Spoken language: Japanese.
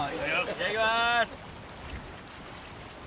いただきます。